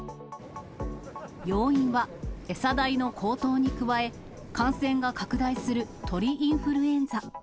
要因は、餌代の高騰に加え、感染が拡大する鳥インフルエンザ。